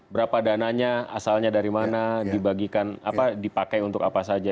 berapa dananya asalnya dari mana dibagikan apa dipakai untuk apa saja